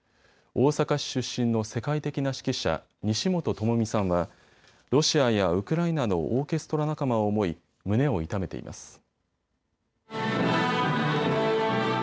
大阪市出身の世界的な指揮者、西本智実さんはロシアやウクライナのオーケストラ仲間を思い胸を痛めています。